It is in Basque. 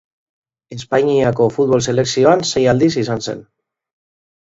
Espainiako futbol selekzioan sei aldiz izan zen.